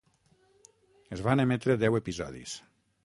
Es van emetre deu episodis.